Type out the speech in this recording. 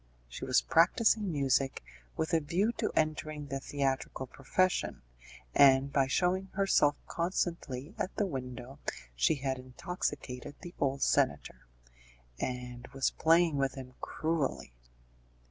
She was practising music with a view to entering the theatrical profession, and by showing herself constantly at the window she had intoxicated the old senator, and was playing with him cruelly.